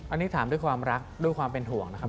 อันนี้ถามด้วยความรักด้วยความเป็นห่วงนะครับ